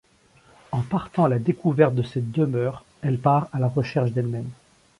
En partant à la découverte de cette demeure, elle part à la recherche d’elle-même.